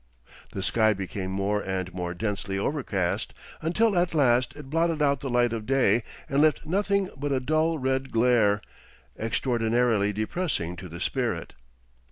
The sky became more and more densely overcast until at last it blotted out the light of day and left nothing but a dull red glare 'extraordinarily depressing to the spirit.